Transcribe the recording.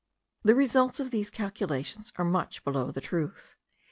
The results of these calculations are much below the truth.